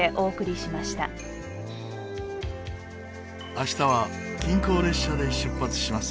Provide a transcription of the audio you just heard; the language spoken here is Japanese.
明日は近郊列車で出発します。